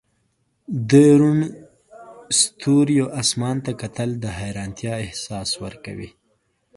د روڼ ستوریو اسمان ته کتل د حیرانتیا احساس ورکوي.